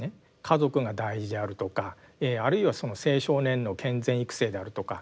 家族が大事であるとかあるいは青少年の健全育成であるとか